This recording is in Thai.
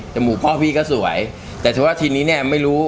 มูกพ่อพี่ก็สวยแต่เฉพาะทีนี้เนี่ยไม่รู้